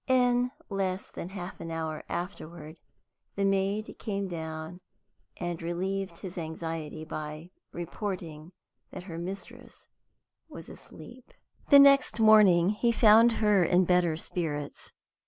In less than half an hour afterward the maid came down and relieved his anxiety by reporting that her mistress was asleep. The next morning he found her in better spirits.